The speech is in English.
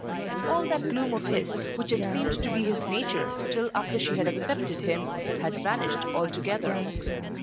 All that gloom of his, which had seemed to be his nature till after she had accepted him, had vanished altogether.